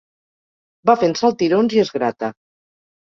Va fent saltirons i es grata.